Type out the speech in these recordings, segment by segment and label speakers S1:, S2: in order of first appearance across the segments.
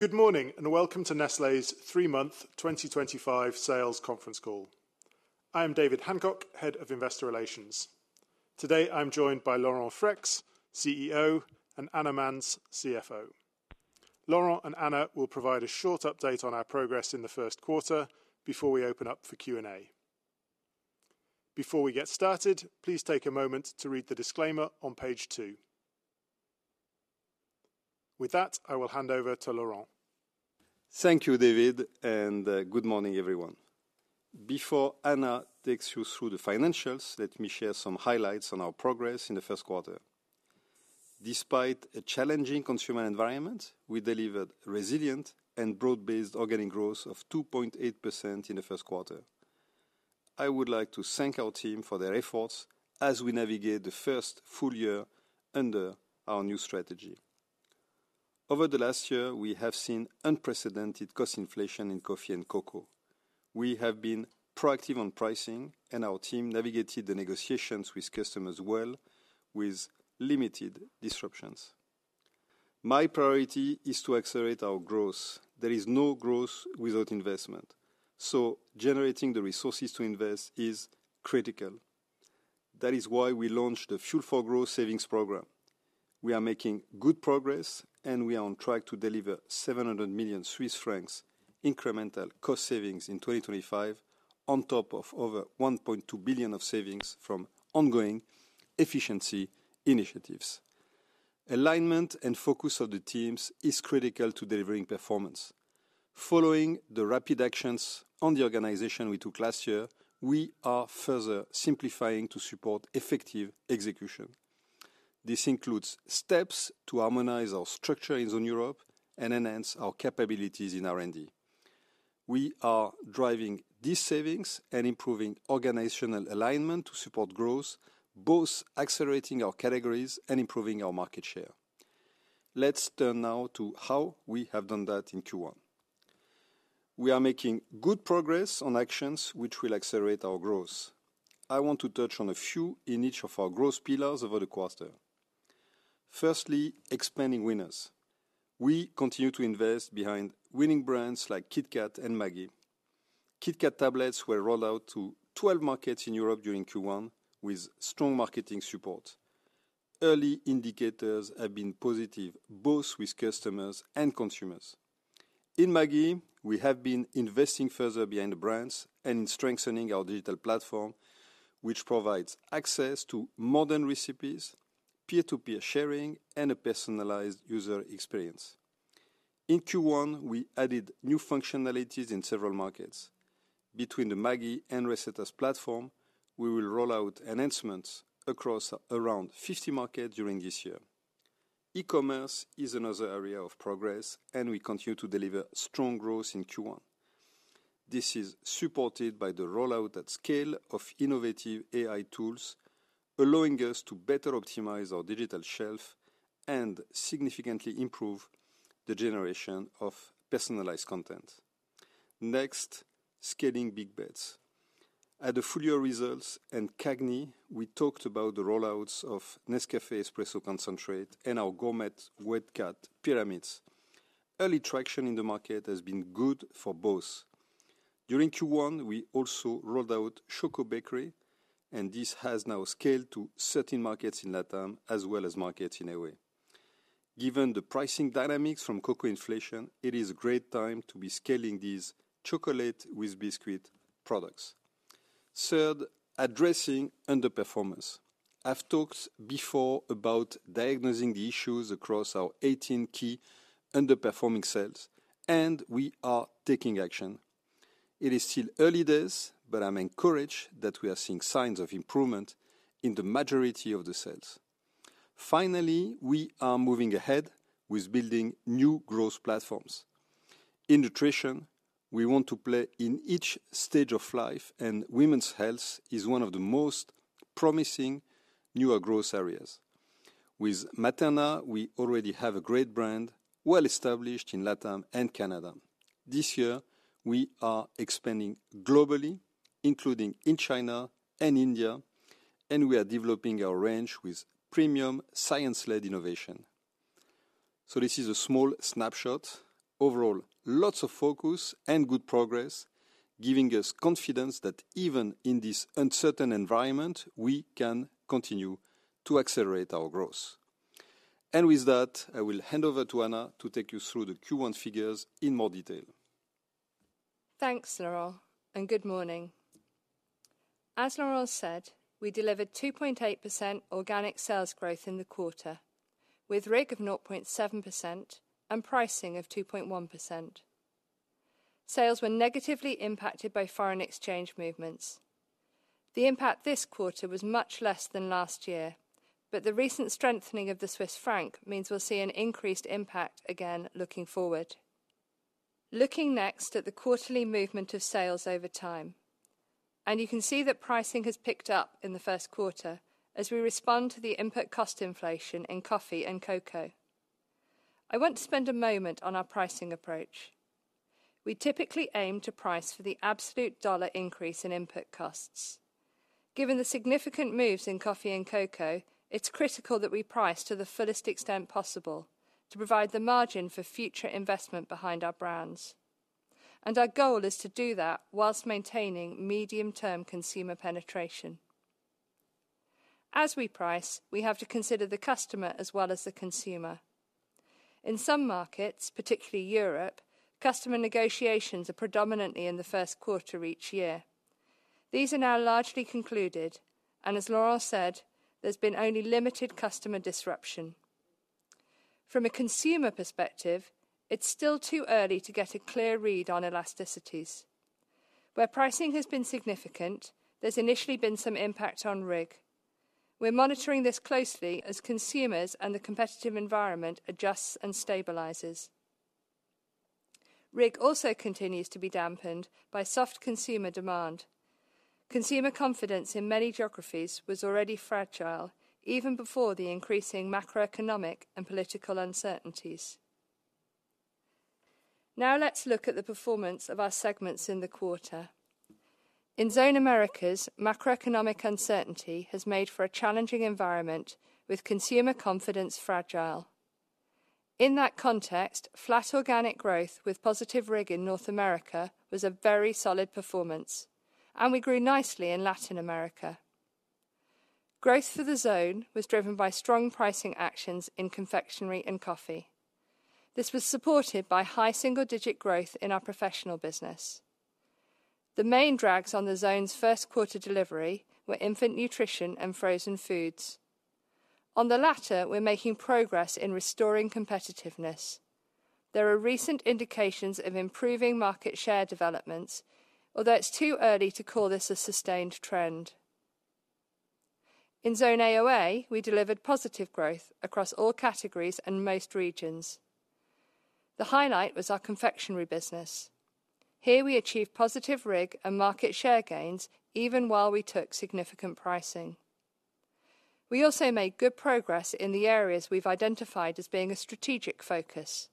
S1: Good morning and welcome to Nestlé's three-month 2025 sales conference call. I am David Hancock, Head of Investor Relations. Today I'm joined by Laurent Freixe, CEO, and Anna Manz, CFO. Laurent and Anna will provide a short update on our progress in the first quarter before we open up for Q&A. Before we get started, please take a moment to read the disclaimer on page two. With that, I will hand over to Laurent.
S2: Thank you, David, and good morning, everyone. Before Anna takes you through the financials, let me share some highlights on our progress in the first quarter. Despite a challenging consumer environment, we delivered resilient and broad-based organic growth of 2.8% in the first quarter. I would like to thank our team for their efforts as we navigate the first full year under our new strategy. Over the last year, we have seen unprecedented cost inflation in coffee and cocoa. We have been proactive on pricing, and our team navigated the negotiations with customers well, with limited disruptions. My priority is to accelerate our growth. There is no growth without investment, so generating the resources to invest is critical. That is why we launched the Fuel for Growth Savings Program. We are making good progress, and we are on track to deliver 700 million Swiss francs in incremental cost savings in 2025, on top of over 1.2 billion of savings from ongoing efficiency initiatives. Alignment and focus of the teams is critical to delivering performance. Following the rapid actions on the organization we took last year, we are further simplifying to support effective execution. This includes steps to harmonize our structure in Zone Europe and enhance our capabilities in R&D. We are driving these savings and improving organizational alignment to support growth, both accelerating our categories and improving our market share. Let's turn now to how we have done that in Q1. We are making good progress on actions which will accelerate our growth. I want to touch on a few in each of our growth pillars over the quarter. Firstly, expanding winners. We continue to invest behind winning brands like KitKat and Maggi. KitKat tablets were rolled out to 12 markets in Europe during Q1, with strong marketing support. Early indicators have been positive, both with customers and consumers. In Maggi, we have been investing further behind the brands and in strengthening our digital platform, which provides access to modern recipes, peer-to-peer sharing, and a personalized user experience. In Q1, we added new functionalities in several markets. Between the Maggi and Receptus platform, we will roll out enhancements across around 50 markets during this year. E-commerce is another area of progress, and we continue to deliver strong growth in Q1. This is supported by the rollout at scale of innovative AI tools, allowing us to better optimize our digital shelf and significantly improve the generation of personalized content. Next, scaling big bets. At the full-year results and Cagni, we talked about the rollouts of Nescafé Espresso Concentrate and our Gourmet Wet Cat Pyramids. Early traction in the market has been good for both. During Q1, we also rolled out Choco Bakery, and this has now scaled to certain markets in LatAm as well as markets in Away. Given the pricing dynamics from cocoa inflation, it is a great time to be scaling these chocolate with biscuit products. Third, addressing underperformance. I've talked before about diagnosing the issues across our 18 key underperforming cells, and we are taking action. It is still early days, but I'm encouraged that we are seeing signs of improvement in the majority of the cells. Finally, we are moving ahead with building new growth platforms. In nutrition, we want to play in each stage of life, and women's health is one of the most promising newer growth areas. With Materna, we already have a great brand well established in LatAm and Canada. This year, we are expanding globally, including in China and India, and we are developing our range with premium science-led innovation. This is a small snapshot. Overall, lots of focus and good progress, giving us confidence that even in this uncertain environment, we can continue to accelerate our growth. With that, I will hand over to Anna to take you through the Q1 figures in more detail.
S3: Thanks, Laurent, and good morning. As Laurent said, we delivered 2.8% organic sales growth in the quarter, with REG of 0.7% and pricing of 2.1%. Sales were negatively impacted by foreign exchange movements. The impact this quarter was much less than last year, but the recent strengthening of the Swiss franc means we'll see an increased impact again looking forward. Looking next at the quarterly movement of sales over time, you can see that pricing has picked up in the first quarter as we respond to the input cost inflation in coffee and cocoa. I want to spend a moment on our pricing approach. We typically aim to price for the absolute dollar increase in input costs. Given the significant moves in coffee and cocoa, it's critical that we price to the fullest extent possible to provide the margin for future investment behind our brands. Our goal is to do that whilst maintaining medium-term consumer penetration. As we price, we have to consider the customer as well as the consumer. In some markets, particularly Europe, customer negotiations are predominantly in the first quarter each year. These are now largely concluded, and as Laurent said, there's been only limited customer disruption. From a consumer perspective, it's still too early to get a clear read on elasticities. Where pricing has been significant, there's initially been some impact on REG. We're monitoring this closely as consumers and the competitive environment adjusts and stabilizes. REG also continues to be dampened by soft consumer demand. Consumer confidence in many geographies was already fragile, even before the increasing macroeconomic and political uncertainties. Now let's look at the performance of our segments in the quarter. In Zone Americas, macroeconomic uncertainty has made for a challenging environment, with consumer confidence fragile. In that context, flat organic growth with positive REG in North America was a very solid performance, and we grew nicely in Latin America. Growth for the zone was driven by strong pricing actions in confectionery and coffee. This was supported by high single-digit growth in our professional business. The main drags on the zone's first quarter delivery were infant nutrition and frozen foods. On the latter, we're making progress in restoring competitiveness. There are recent indications of improving market share developments, although it's too early to call this a sustained trend. In Zone AOA, we delivered positive growth across all categories and most regions. The highlight was our confectionery business. Here we achieved positive REG and market share gains, even while we took significant pricing. We also made good progress in the areas we've identified as being a strategic focus.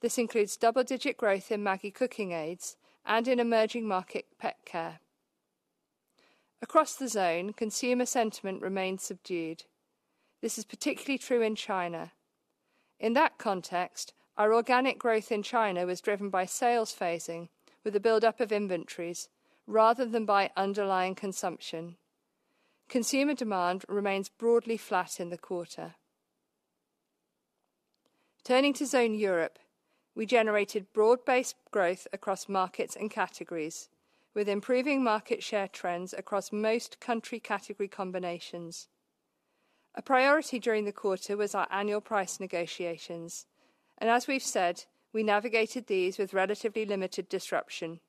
S3: This includes double-digit growth in Maggi cooking aids and in emerging market pet care. Across the zone, consumer sentiment remained subdued. This is particularly true in China. In that context, our organic growth in China was driven by sales phasing with the build-up of inventories rather than by underlying consumption. Consumer demand remains broadly flat in the quarter. Turning to Zone Europe, we generated broad-based growth across markets and categories, with improving market share trends across most country category combinations. A priority during the quarter was our annual price negotiations, and as we've said, we navigated these with relatively limited disruption.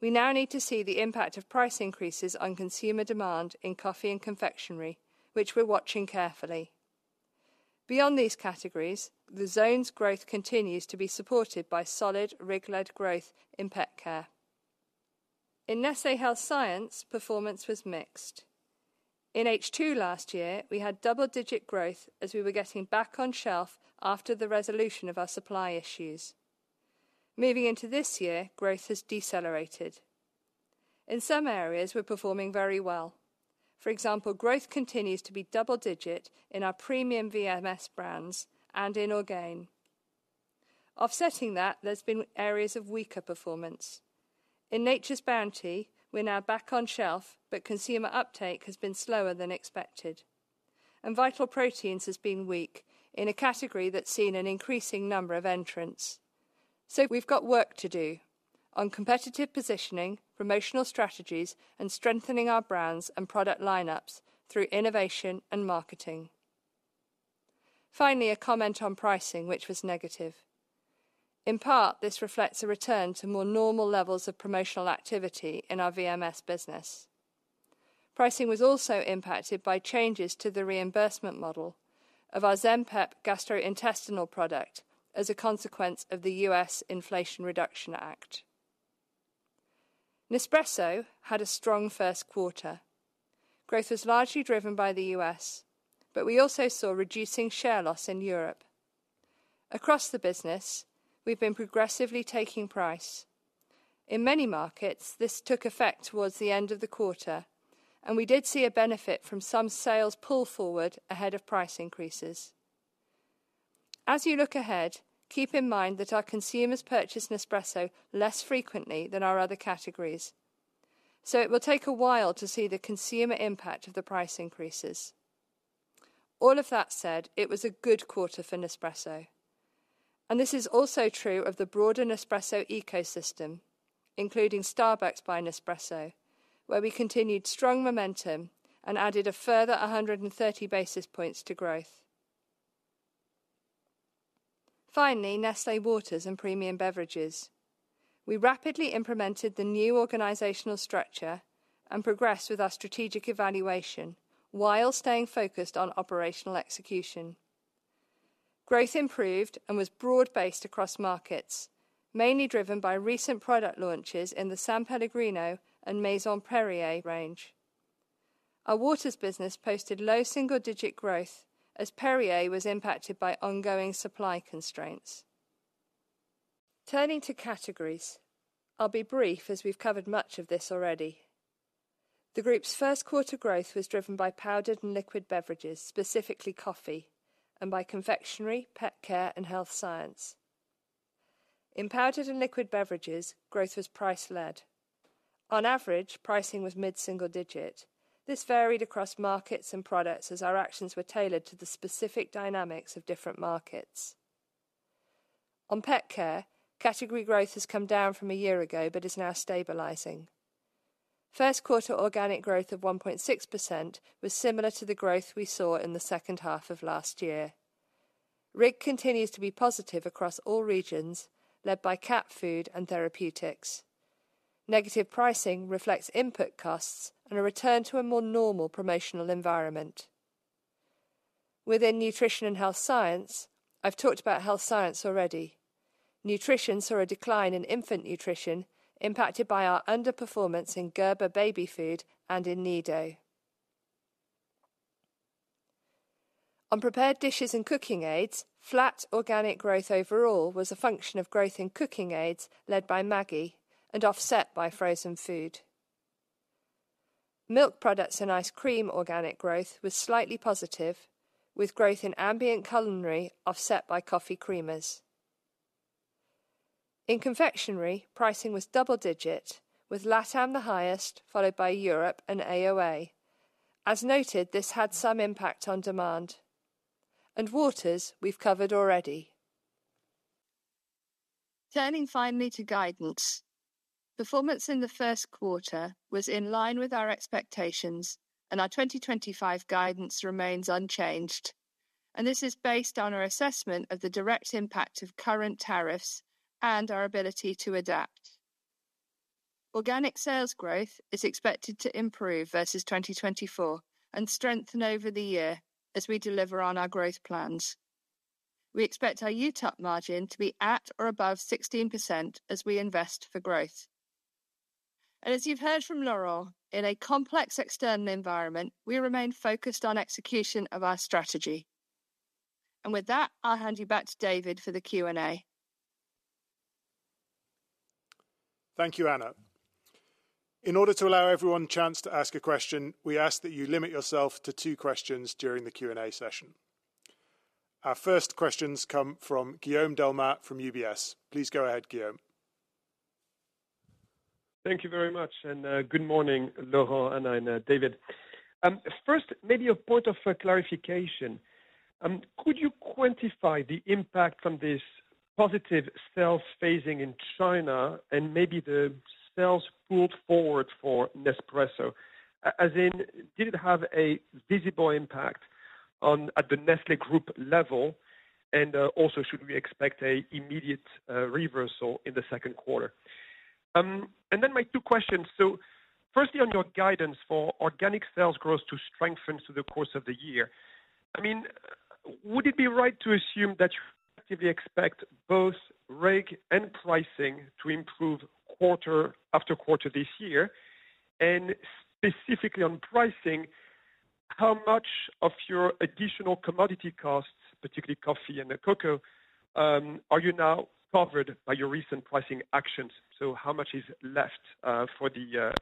S3: We now need to see the impact of price increases on consumer demand in coffee and confectionery, which we're watching carefully. Beyond these categories, the zone's growth continues to be supported by solid REG-led growth in pet care. In Nestlé Health Science, performance was mixed. In H2 last year, we had double-digit growth as we were getting back on shelf after the resolution of our supply issues. Moving into this year, growth has decelerated. In some areas, we're performing very well. For example, growth continues to be double-digit in our premium VMS brands and in organic. Offsetting that, there's been areas of weaker performance. In Nature's Bounty, we're now back on shelf, but consumer uptake has been slower than expected. Vital Proteins has been weak in a category that's seen an increasing number of entrants. We have work to do on competitive positioning, promotional strategies, and strengthening our brands and product lineups through innovation and marketing. Finally, a comment on pricing, which was negative. In part, this reflects a return to more normal levels of promotional activity in our VMS business. Pricing was also impacted by changes to the reimbursement model of our Zempep gastrointestinal product as a consequence of the US Inflation Reduction Act. Nespresso had a strong first quarter. Growth was largely driven by the US, but we also saw reducing share loss in Europe. Across the business, we've been progressively taking price. In many markets, this took effect towards the end of the quarter, and we did see a benefit from some sales pull forward ahead of price increases. As you look ahead, keep in mind that our consumers purchase Nespresso less frequently than our other categories, so it will take a while to see the consumer impact of the price increases. All of that said, it was a good quarter for Nespresso. This is also true of the broader Nespresso ecosystem, including Starbucks by Nespresso, where we continued strong momentum and added a further 130 basis points to growth. Finally, Nestlé Waters and premium beverages. We rapidly implemented the new organizational structure and progressed with our strategic evaluation while staying focused on operational execution. Growth improved and was broad-based across markets, mainly driven by recent product launches in the San Pellegrino and Maison Perrier range. Our waters business posted low single-digit growth as Perrier was impacted by ongoing supply constraints. Turning to categories, I'll be brief as we've covered much of this already. The group's first quarter growth was driven by powdered and liquid beverages, specifically coffee, and by confectionery, pet care, and health science. In powdered and liquid beverages, growth was price-led. On average, pricing was mid-single digit. This varied across markets and products as our actions were tailored to the specific dynamics of different markets. On pet care, category growth has come down from a year ago but is now stabilizing. First quarter organic growth of 1.6% was similar to the growth we saw in the second half of last year. REG continues to be positive across all regions, led by cat food and therapeutics. Negative pricing reflects input costs and a return to a more normal promotional environment. Within nutrition and health science, I've talked about health science already. Nutrition saw a decline in infant nutrition impacted by our underperformance in Gerber baby food and in Nido. On prepared dishes and cooking aids, flat organic growth overall was a function of growth in cooking aids led by Maggi and offset by frozen food. Milk products and ice cream organic growth was slightly positive, with growth in ambient culinary offset by coffee creamers. In confectionery, pricing was double-digit, with LatAm the highest, followed by Europe and AOA. As noted, this had some impact on demand. Waters, we've covered already. Turning finally to guidance. Performance in the first quarter was in line with our expectations, and our 2025 guidance remains unchanged. This is based on our assessment of the direct impact of current tariffs and our ability to adapt. Organic sales growth is expected to improve versus 2024 and strengthen over the year as we deliver on our growth plans. We expect our UTOP margin to be at or above 16% as we invest for growth. As you have heard from Laurent, in a complex external environment, we remain focused on execution of our strategy. With that, I'll hand you back to David for the Q&A.
S1: Thank you, Anna. In order to allow everyone a chance to ask a question, we ask that you limit yourself to two questions during the Q&A session. Our first questions come from Guillaume Delmas from UBS. Please go ahead, Guillaume.
S4: Thank you very much, and good morning, Laurent and I and David. First, maybe a point of clarification. Could you quantify the impact from this positive sales phasing in China and maybe the sales pulled forward for Nespresso? As in, did it have a visible impact at the Nestlé Group level? Also, should we expect an immediate reversal in the second quarter? My two questions. Firstly, on your guidance for organic sales growth to strengthen through the course of the year, I mean, would it be right to assume that you effectively expect both REG and pricing to improve quarter after quarter this year? Specifically on pricing, how much of your additional commodity costs, particularly coffee and cocoa, are you now covered by your recent pricing actions? How much is left for the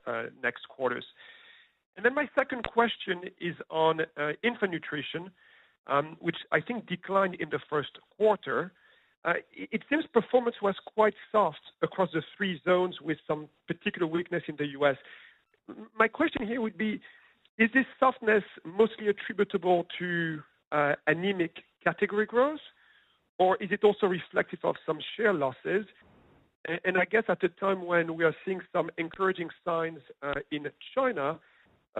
S4: next quarters? My second question is on infant nutrition, which I think declined in the first quarter. It seems performance was quite soft across the three zones, with some particular weakness in the US. My question here would be, is this softness mostly attributable to anemic category growth, or is it also reflective of some share losses? I guess at a time when we are seeing some encouraging signs in China,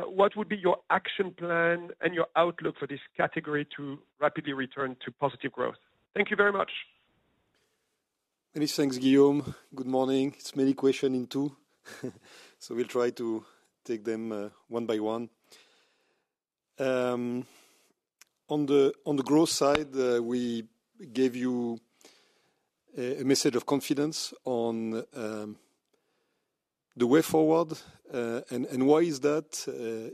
S4: what would be your action plan and your outlook for this category to rapidly return to positive growth? Thank you very much.
S2: Many thanks, Guillaume. Good morning. It's many questions in two, so we'll try to take them one by one. On the growth side, we gave you a message of confidence on the way forward, and why is that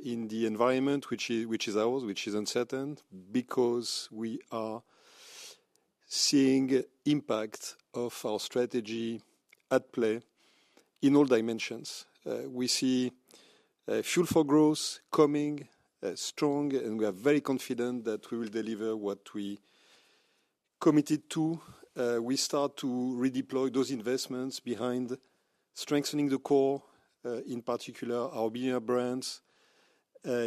S2: in the environment, which is ours, which is uncertain? Because we are seeing the impact of our strategy at play in all dimensions. We see Fuel for Growth coming, strong, and we are very confident that we will deliver what we committed to. We start to redeploy those investments behind strengthening the core, in particular our big brands,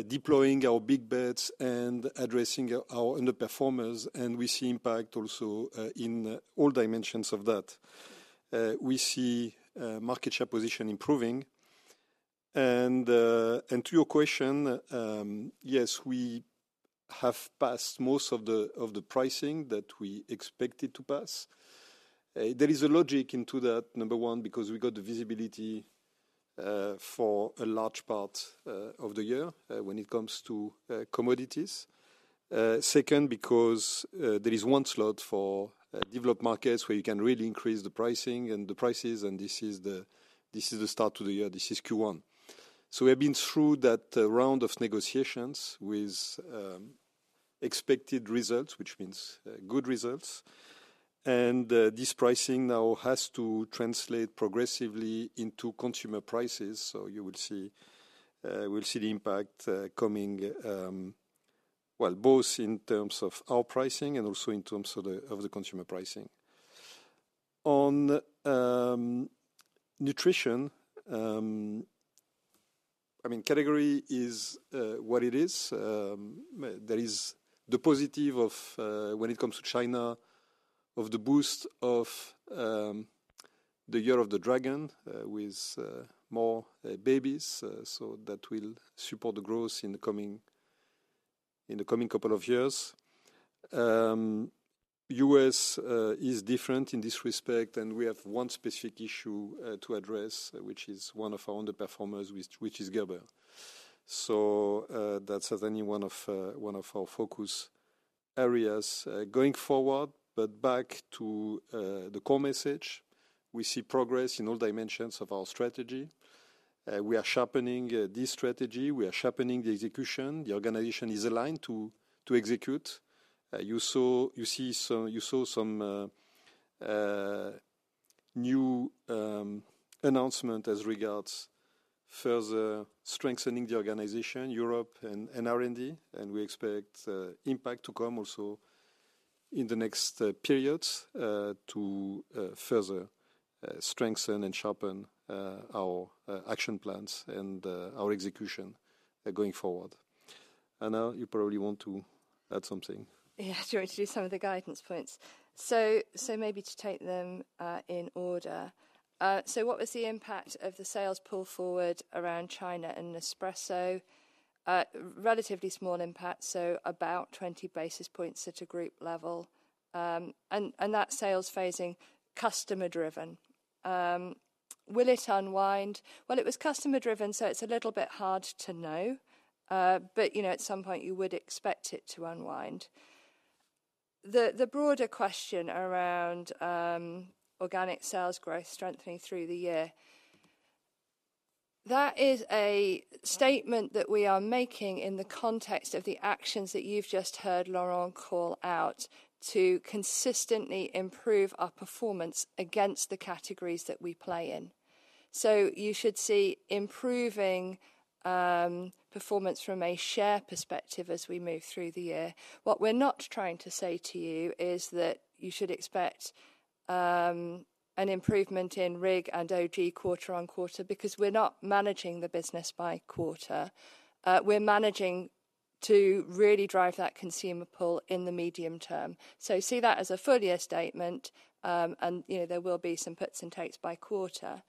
S2: deploying our big bets and addressing our underperformers, and we see impact also in all dimensions of that. We see market share position improving. To your question, yes, we have passed most of the pricing that we expected to pass. There is a logic into that, number one, because we got the visibility for a large part of the year when it comes to commodities. Second, because there is one slot for developed markets where you can really increase the pricing and the prices, and this is the start of the year. This is Q1. We have been through that round of negotiations with expected results, which means good results. This pricing now has to translate progressively into consumer prices, so you will see the impact coming, both in terms of our pricing and also in terms of the consumer pricing. On nutrition, I mean, category is what it is. There is the positive of, when it comes to China, of the boost of the Year of the Dragon with more babies, so that will support the growth in the coming couple of years. U.S. is different in this respect, and we have one specific issue to address, which is one of our underperformers, which is Gerber. That is certainly one of our focus areas going forward. Back to the core message, we see progress in all dimensions of our strategy. We are sharpening this strategy. We are sharpening the execution. The organization is aligned to execute. You saw some new announcements as regards further strengthening the organization, Europe, and R&D, and we expect impact to come also in the next periods to further strengthen and sharpen our action plans and our execution going forward. Anna, you probably want to add something.
S3: Yeah, to add to some of the guidance points. Maybe to take them in order. What was the impact of the sales pull forward around China and Nespresso? Relatively small impact, so about 20 basis points at a group level. That sales phasing, customer-driven. Will it unwind? It was customer-driven, so it's a little bit hard to know, but at some point, you would expect it to unwind. The broader question around organic sales growth strengthening through the year, that is a statement that we are making in the context of the actions that you've just heard Laurent call out to consistently improve our performance against the categories that we play in. You should see improving performance from a share perspective as we move through the year. What we're not trying to say to you is that you should expect an improvement in REG and OG quarter on quarter because we're not managing the business by quarter. We're managing to really drive that consumer pull in the medium term. See that as a full year statement, and there will be some puts and takes by quarter.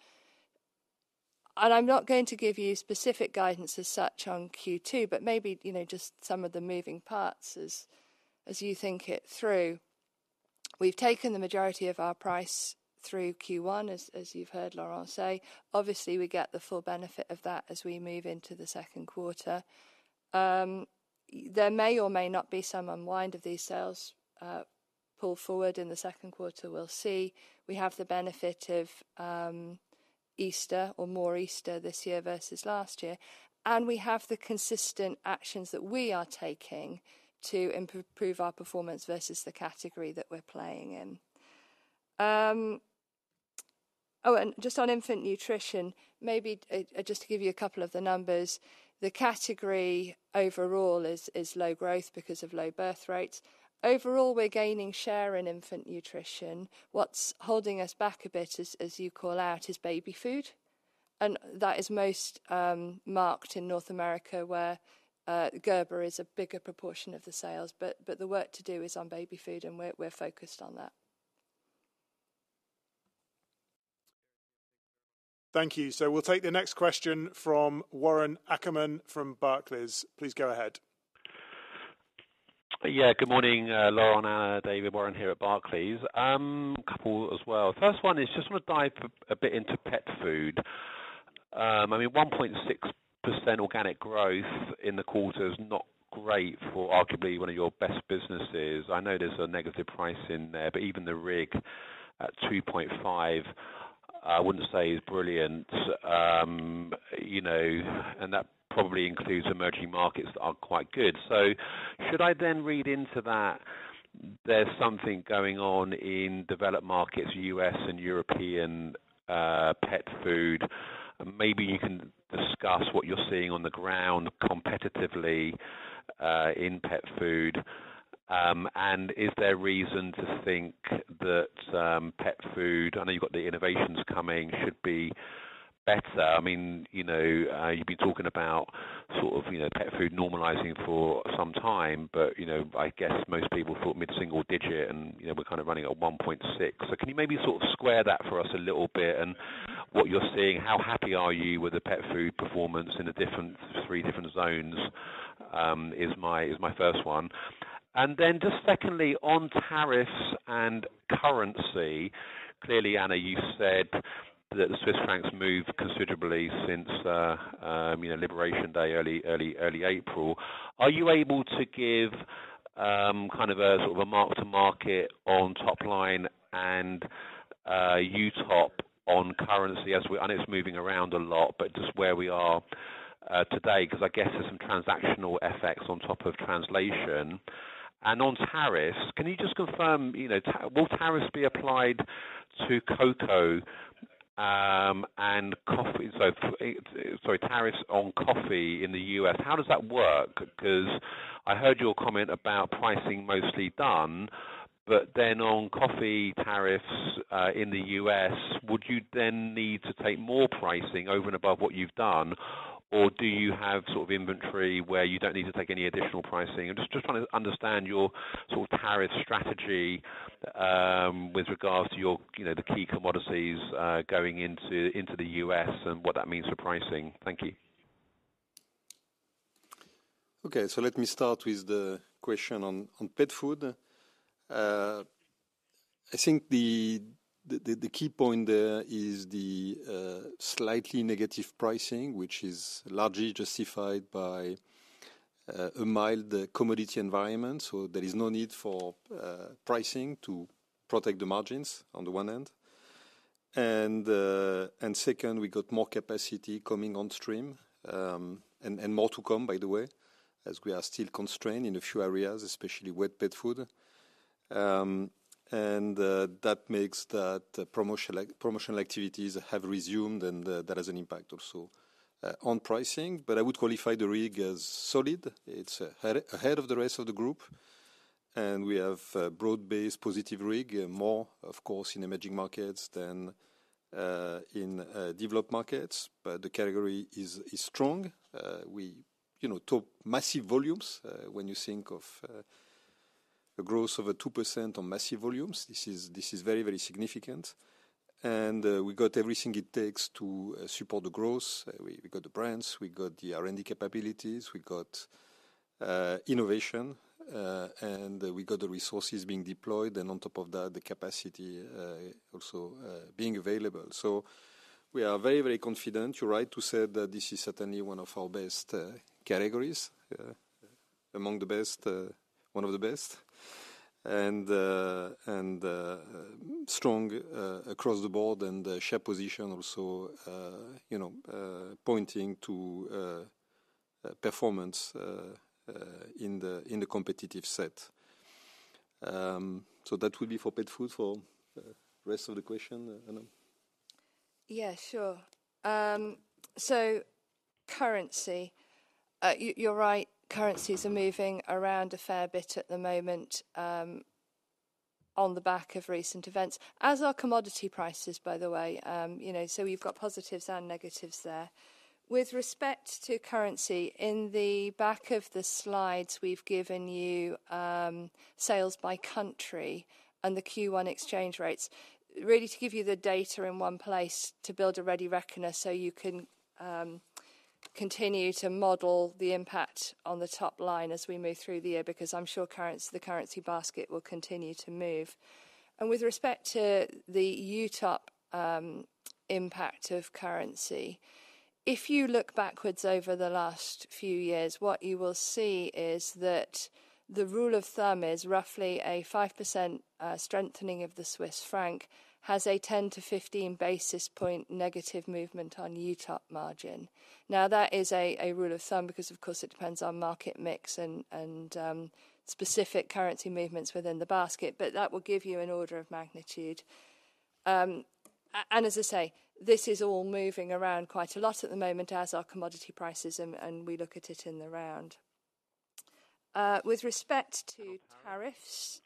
S3: I'm not going to give you specific guidance as such on Q2, but maybe just some of the moving parts as you think it through. We've taken the majority of our price through Q1, as you've heard Laurent say. Obviously, we get the full benefit of that as we move into the second quarter. There may or may not be some unwind of these sales pull forward in the second quarter. We'll see. We have the benefit of Easter or more Easter this year versus last year. We have the consistent actions that we are taking to improve our performance versus the category that we're playing in. Oh, just on infant nutrition, maybe just to give you a couple of the numbers, the category overall is low growth because of low birth rates. Overall, we're gaining share in infant nutrition. What's holding us back a bit, as you call out, is baby food. That is most marked in North America, where Gerber is a bigger proportion of the sales. The work to do is on baby food, and we're focused on that.
S1: Thank you. We'll take the next question from Warren Ackerman from Barclays. Please go ahead.
S5: Yeah, good morning, Laurent, Anna, David, Warren here at Barclays. A couple as well. First one is just want to dive a bit into pet food. I mean, 1.6% organic growth in the quarter is not great for arguably one of your best businesses. I know there's a negative price in there, but even the REG at 2.5%, I wouldn't say is brilliant. And that probably includes emerging markets that aren't quite good. Should I then read into that there's something going on in developed markets, US and European pet food? Maybe you can discuss what you're seeing on the ground competitively in pet food. Is there reason to think that pet food, I know you've got the innovations coming, should be better? I mean, you've been talking about sort of pet food normalizing for some time, but I guess most people thought mid-single digit, and we're kind of running at 1.6. Can you maybe sort of square that for us a little bit? What you're seeing, how happy are you with the pet food performance in the three different zones is my first one. Just secondly, on tariffs and currency, clearly, Anna, you said that the Swiss francs moved considerably since Liberation Day, early April. Are you able to give kind of a sort of a mark-to-market on top line and UTOP on currency as we are? It's moving around a lot, but just where we are today, because I guess there's some transactional effects on top of translation. On tariffs, can you just confirm, will tariffs be applied to cocoa and coffee? Sorry, tariffs on coffee in the US, how does that work? Because I heard your comment about pricing mostly done, but then on coffee tariffs in the US, would you then need to take more pricing over and above what you've done, or do you have sort of inventory where you don't need to take any additional pricing? I'm just trying to understand your sort of tariff strategy with regards to the key commodities going into the US and what that means for pricing. Thank you.
S2: Okay, let me start with the question on pet food. I think the key point there is the slightly negative pricing, which is largely justified by a mild commodity environment. There is no need for pricing to protect the margins on the one hand. Second, we got more capacity coming on stream and more to come, by the way, as we are still constrained in a few areas, especially wet pet food. That makes that promotional activities have resumed, and that has an impact also on pricing. I would qualify the REG as solid. It's ahead of the rest of the group. We have broad-based positive REG, more, of course, in emerging markets than in developed markets, but the category is strong. We took massive volumes. When you think of a growth of 2% on massive volumes, this is very, very significant. We got everything it takes to support the growth. We got the brands, we got the R&D capabilities, we got innovation, and we got the resources being deployed, and on top of that, the capacity also being available. We are very, very confident. You're right to say that this is certainly one of our best categories, among the best, one of the best, and strong across the board and share position also pointing to performance in the competitive set. That would be for pet food for the rest of the question, Anna.
S3: Yeah, sure. Currency, you're right, currencies are moving around a fair bit at the moment on the back of recent events. As are commodity prices, by the way. We've got positives and negatives there. With respect to currency, in the back of the slides, we've given you sales by country and the Q1 exchange rates, really to give you the data in one place to build a ready reckoner so you can continue to model the impact on the top line as we move through the year, because I'm sure the currency basket will continue to move. With respect to the UTOP impact of currency, if you look backwards over the last few years, what you will see is that the rule of thumb is roughly a 5% strengthening of the Swiss franc has a 10-15 basis point negative movement on UTOP margin. Now, that is a rule of thumb because, of course, it depends on market mix and specific currency movements within the basket, but that will give you an order of magnitude. As I say, this is all moving around quite a lot at the moment as are commodity prices and we look at it in the round. With respect to tariffs,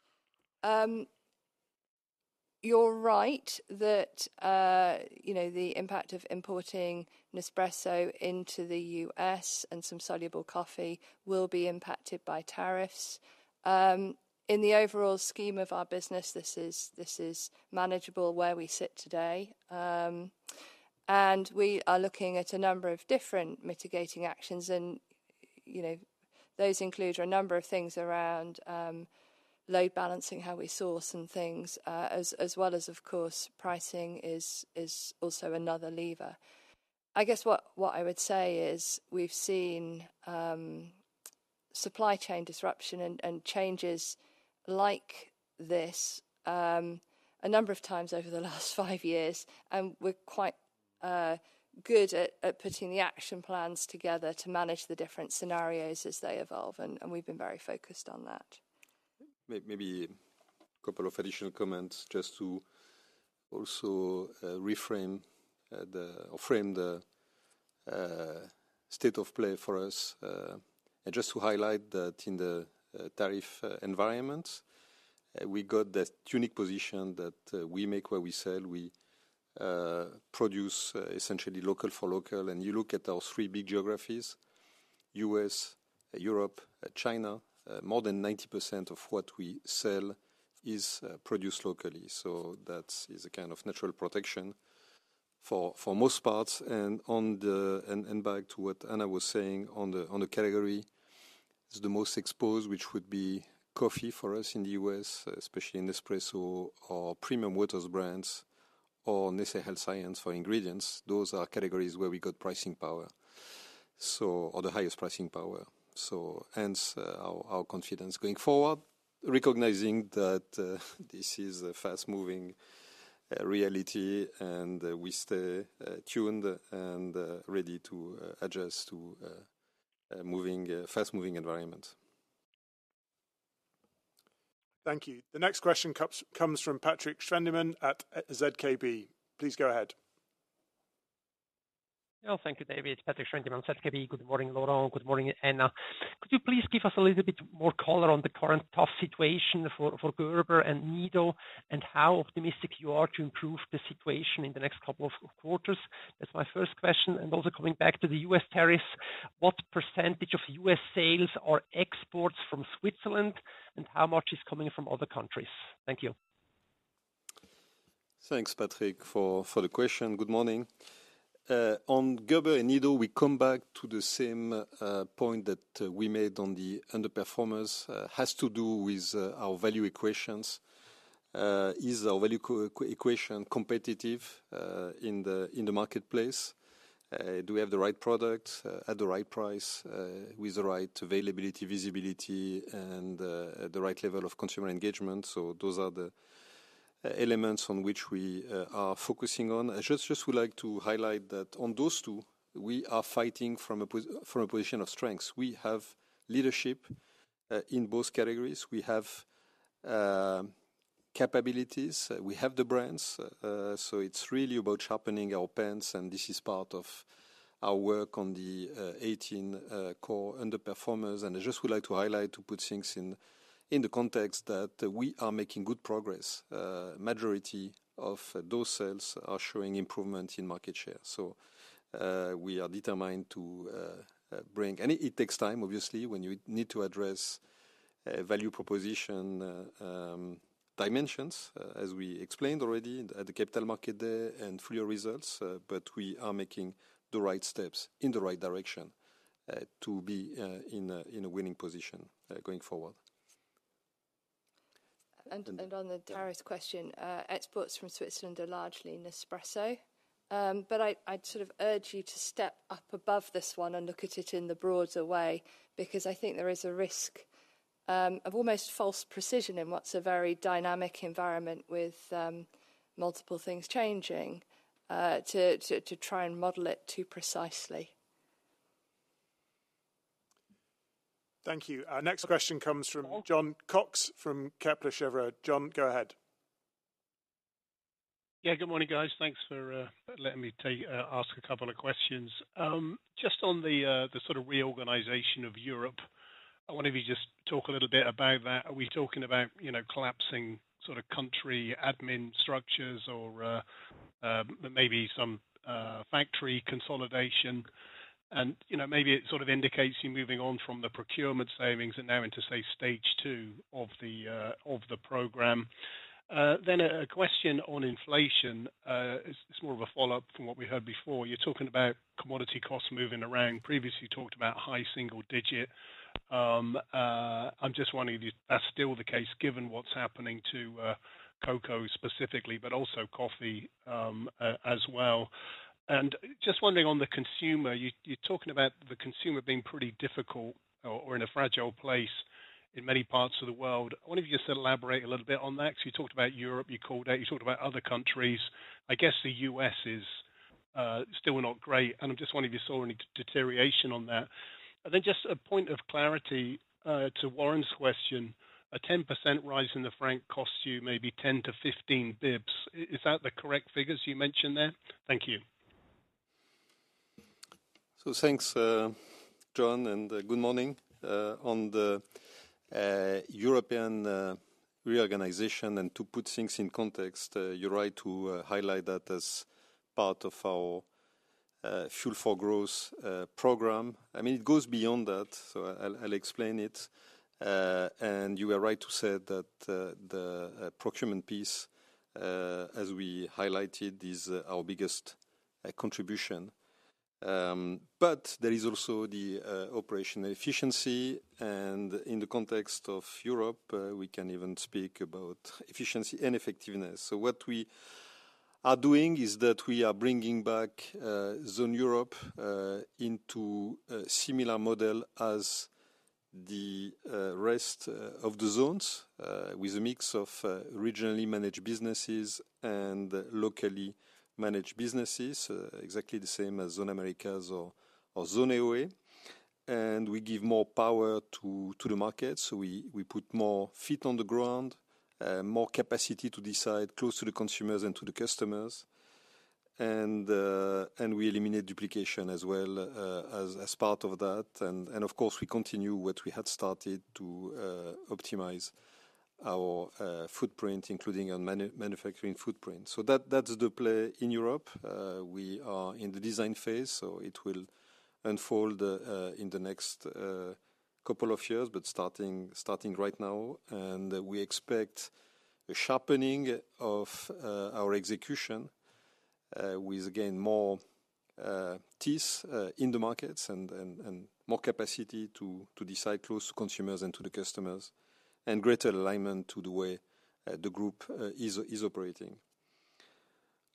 S3: you're right that the impact of importing Nespresso into the US and some soluble coffee will be impacted by tariffs. In the overall scheme of our business, this is manageable where we sit today. We are looking at a number of different mitigating actions, and those include a number of things around load balancing, how we source and things, as well as, of course, pricing is also another lever. I guess what I would say is we've seen supply chain disruption and changes like this a number of times over the last five years, and we're quite good at putting the action plans together to manage the different scenarios as they evolve, and we've been very focused on that.
S2: Maybe a couple of additional comments just to also reframe the state of play for us and just to highlight that in the tariff environment, we got this unique position that we make what we sell. We produce essentially local for local. You look at our three big geographies, U.S., Europe, China, more than 90% of what we sell is produced locally. That is a kind of natural protection for most parts. Back to what Anna was saying on the category, the most exposed, which would be coffee for us in the U.S., especially Nespresso or premium waters brands or Nestlé Health Science for ingredients, those are categories where we got pricing power or the highest pricing power. Hence our confidence going forward, recognizing that this is a fast-moving reality, and we stay tuned and ready to adjust to a fast-moving environment.
S1: Thank you. The next question comes from Patrick Schwendemann at ZKB. Please go ahead.
S6: Yeah, thank you, David. It's Patrick Schwendemann, ZKB. Good morning, Laurent. Good morning, Anna. Could you please give us a little bit more color on the current tough situation for Gerber and Nido and how optimistic you are to improve the situation in the next couple of quarters? That's my first question. Also, coming back to the U.S. tariffs, what percentage of U.S. sales are exports from Switzerland, and how much is coming from other countries? Thank you.
S2: Thanks, Patrick, for the question. Good morning. On Gerber and Nido, we come back to the same point that we made on the underperformance has to do with our value equations. Is our value equation competitive in the marketplace? Do we have the right product at the right price with the right availability, visibility, and the right level of consumer engagement? Those are the elements on which we are focusing on. I just would like to highlight that on those two, we are fighting from a position of strengths. We have leadership in both categories. We have capabilities. We have the brands. It is really about sharpening our pens, and this is part of our work on the 18 core underperformers. I just would like to highlight, to put things in the context, that we are making good progress. The majority of those sales are showing improvement in market share. We are determined to bring, and it takes time, obviously, when you need to address value proposition dimensions, as we explained already at the capital market day and through your results, but we are making the right steps in the right direction to be in a winning position going forward.
S3: On the tariffs question, exports from Switzerland are largely Nespresso, but I'd sort of urge you to step up above this one and look at it in the broader way because I think there is a risk of almost false precision in what's a very dynamic environment with multiple things changing to try and model it too precisely.
S1: Thank you. Our next question comes from Jon Cox from Kepler Cheuvreux. John, go ahead.
S7: Yeah, good morning, guys. Thanks for letting me ask a couple of questions. Just on the sort of reorganization of Europe, I wanted you to just talk a little bit about that. Are we talking about collapsing sort of country admin structures or maybe some factory consolidation? Maybe it sort of indicates you moving on from the procurement savings and now into, say, stage two of the program. A question on inflation. It's more of a follow-up from what we heard before. You're talking about commodity costs moving around. Previously talked about high single digit. I'm just wondering, is that still the case given what's happening to cocoa specifically, but also coffee as well? Just wondering on the consumer, you're talking about the consumer being pretty difficult or in a fragile place in many parts of the world. I wanted you just to elaborate a little bit on that because you talked about Europe, you called it, you talked about other countries. I guess the U.S. is still not great. I'm just wondering if you saw any deterioration on that. Just a point of clarity to Warren's question, a 10% rise in the franc costs you maybe 10-15 basis points. Is that the correct figures you mentioned there? Thank you.
S2: Thanks, John, and good morning. On the European reorganization and to put things in context, you're right to highlight that as part of our Fuel for Growth program. I mean, it goes beyond that, so I'll explain it. You were right to say that the procurement piece, as we highlighted, is our biggest contribution. There is also the operational efficiency, and in the context of Europe, we can even speak about efficiency and effectiveness. What we are doing is that we are bringing back Zone Europe into a similar model as the rest of the zones with a mix of regionally managed businesses and locally managed businesses, exactly the same as Zone Americas or Zone AOA. We give more power to the market, so we put more feet on the ground, more capacity to decide close to the consumers and to the customers. We eliminate duplication as well as part of that. Of course, we continue what we had started to optimize our footprint, including our manufacturing footprint. That is the play in Europe. We are in the design phase, so it will unfold in the next couple of years, but starting right now. We expect a sharpening of our execution with, again, more teeth in the markets and more capacity to decide close to consumers and to the customers and greater alignment to the way the group is operating.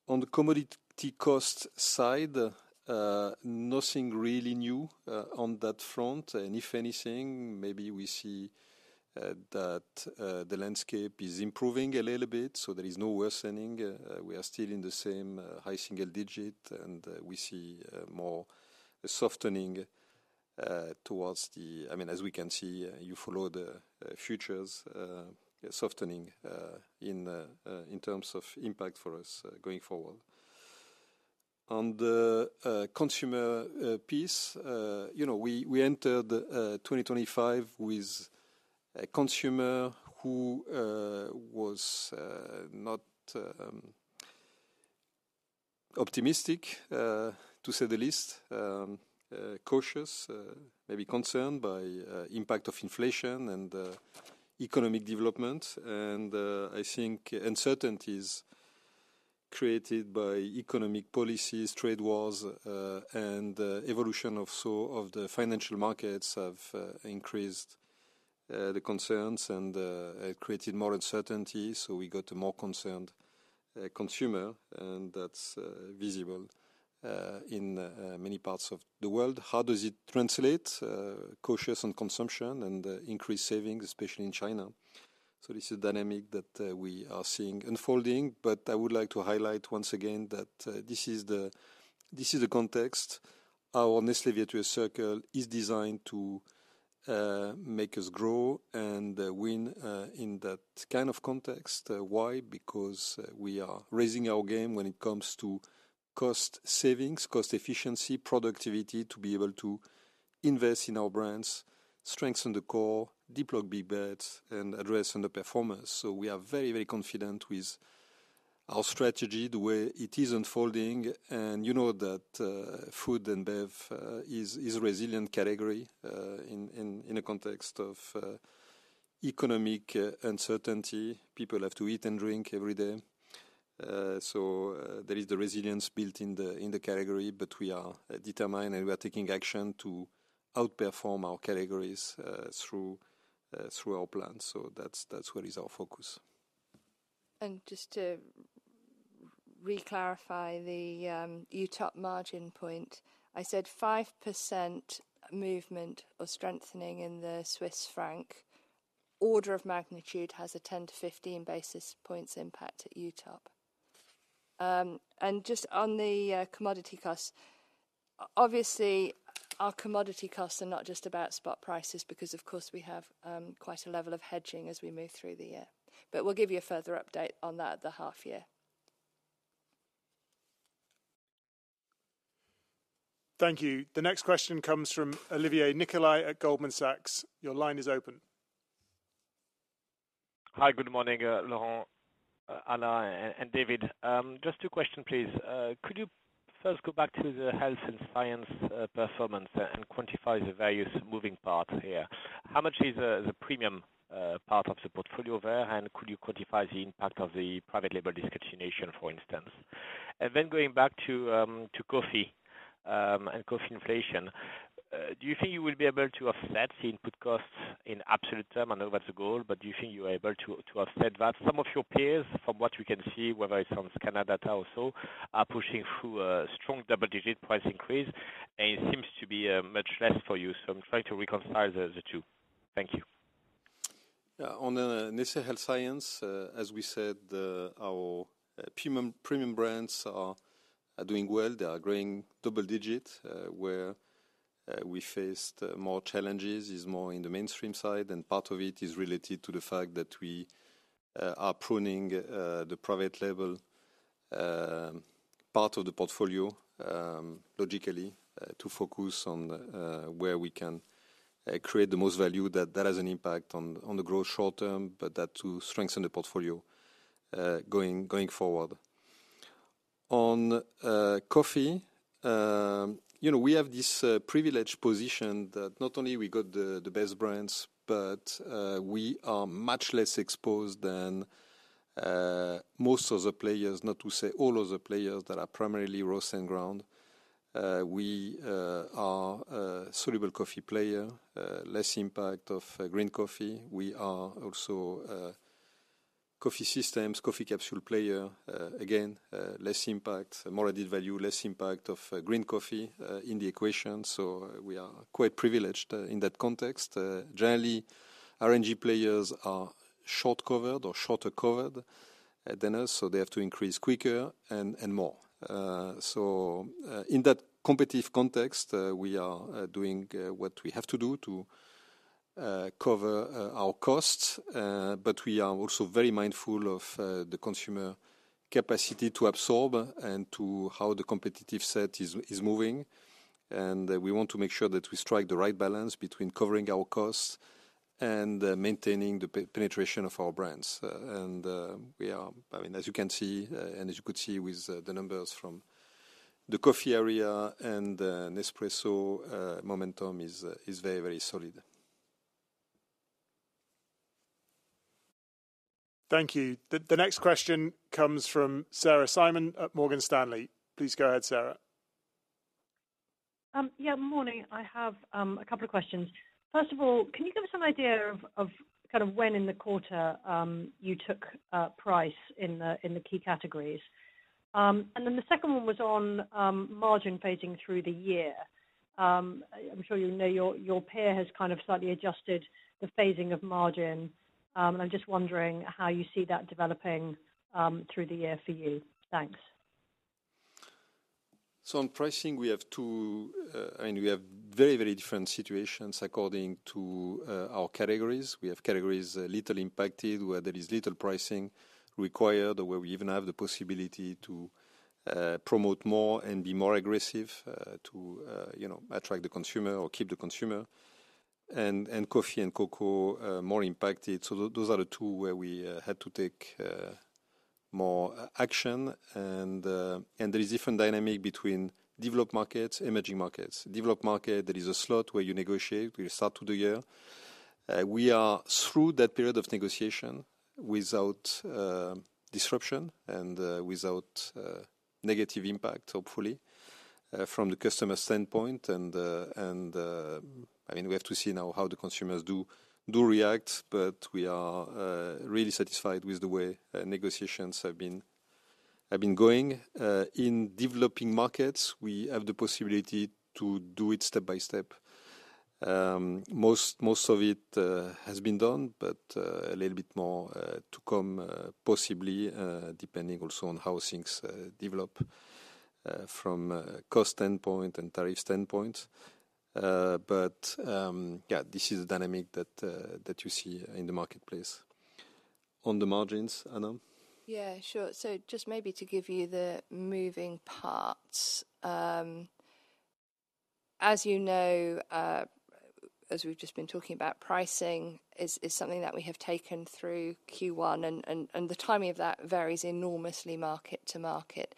S2: On the commodity cost side, nothing really new on that front. If anything, maybe we see that the landscape is improving a little bit, so there is no worsening. We are still in the same high single digit, and we see more softening towards the, I mean, as we can see, you follow the futures, softening in terms of impact for us going forward. On the consumer piece, we entered 2025 with a consumer who was not optimistic, to say the least, cautious, maybe concerned by the impact of inflation and economic development. I think uncertainties created by economic policies, trade wars, and evolution of the financial markets have increased the concerns and created more uncertainty. We got a more concerned consumer, and that's visible in many parts of the world. How does it translate? Cautious on consumption and increased savings, especially in China. This is a dynamic that we are seeing unfolding. I would like to highlight once again that this is the context. Our Nestlé Virtuous Circle is designed to make us grow and win in that kind of context. Why? Because we are raising our game when it comes to cost savings, cost efficiency, productivity to be able to invest in our brands, strengthen the core, deep lock big bets, and address underperformance. We are very, very confident with our strategy, the way it is unfolding. You know that food and bev is a resilient category in the context of economic uncertainty. People have to eat and drink every day. There is the resilience built in the category, but we are determined and we are taking action to outperform our categories through our plants. That is what is our focus.
S3: Just to reclarify the UTOP margin point, I said 5% movement or strengthening in the Swiss franc. Order of magnitude has a 10-15 basis points impact at UTOP. Just on the commodity costs, obviously, our commodity costs are not just about spot prices because, of course, we have quite a level of hedging as we move through the year. We will give you a further update on that at the half year.
S1: Thank you. The next question comes from Olivier Nicolaï at Goldman Sachs. Your line is open.
S8: Hi, good morning, Laurent, Anna, and David. Just two questions, please. Could you first go back to the health and science performance and quantify the various moving parts here? How much is the premium part of the portfolio there, and could you quantify the impact of the private label discontinuation, for instance? Going back to coffee and coffee inflation, do you think you would be able to offset the input costs in absolute term? I know that's the goal, but do you think you're able to offset that? Some of your peers, from what we can see, whether it's from Scanadata or so, are pushing through a strong double-digit price increase, and it seems to be much less for you. I'm trying to reconcile the two. Thank you.
S2: On Nestlé Health Science, as we said, our premium brands are doing well. They are growing double-digit, where we faced more challenges is more in the mainstream side, and part of it is related to the fact that we are pruning the private label part of the portfolio logically to focus on where we can create the most value. That has an impact on the growth short term, but that to strengthen the portfolio going forward. On coffee, we have this privileged position that not only we got the best brands, but we are much less exposed than most of the players, not to say all of the players that are primarily roast and ground. We are a soluble coffee player, less impact of green coffee. We are also coffee systems, coffee capsule player, again, less impact, more added value, less impact of green coffee in the equation. We are quite privileged in that context. Generally, R&G players are short-covered or shorter-covered than us, so they have to increase quicker and more. In that competitive context, we are doing what we have to do to cover our costs, but we are also very mindful of the consumer capacity to absorb and to how the competitive set is moving. We want to make sure that we strike the right balance between covering our costs and maintaining the penetration of our brands. We are, I mean, as you can see, and as you could see with the numbers from the coffee area and Nespresso, momentum is very, very solid.
S1: Thank you. The next question comes from Sarah Simon at Morgan Stanley. Please go ahead, Sarah.
S9: Yeah, good morning. I have a couple of questions. First of all, can you give us an idea of kind of when in the quarter you took price in the key categories? The second one was on margin phasing through the year. I'm sure you know your peer has kind of slightly adjusted the phasing of margin. I'm just wondering how you see that developing through the year for you. Thanks.
S2: On pricing, we have two, I mean, we have very, very different situations according to our categories. We have categories little impacted, where there is little pricing required, where we even have the possibility to promote more and be more aggressive to attract the consumer or keep the consumer. Coffee and cocoa, more impacted. Those are the two where we had to take more action. There is different dynamic between developed markets, emerging markets. Developed market, there is a slot where you negotiate with the start of the year. We are through that period of negotiation without disruption and without negative impact, hopefully, from the customer standpoint. I mean, we have to see now how the consumers do react, but we are really satisfied with the way negotiations have been going. In developing markets, we have the possibility to do it step by step. Most of it has been done, but a little bit more to come possibly, depending also on how things develop from a cost standpoint and tariff standpoint. Yeah, this is the dynamic that you see in the marketplace. On the margins, Anna?
S3: Yeah, sure. Just maybe to give you the moving parts. As you know, as we've just been talking about, pricing is something that we have taken through Q1, and the timing of that varies enormously market to market.